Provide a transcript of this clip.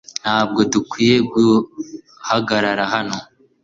Ntabwo dukwiye guhagarara hano .